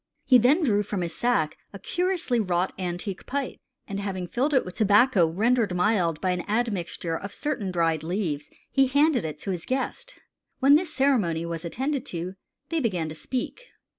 He then drew from his sack a curiously wrought antique pipe, and having filled it with tobacco rendered mild by an admixture of certain dried leaves, he handed it to his guest. "When this ceremony was attended to, they began to speak.